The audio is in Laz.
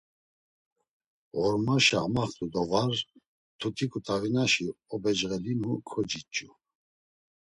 Ğormaşa amaxt̆u do var, mtuti ǩut̆avinaşi obecğelinu kociç̌u.